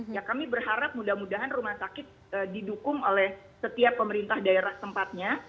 ya kami berharap mudah mudahan rumah sakit didukung oleh setiap pemerintah daerah tempatnya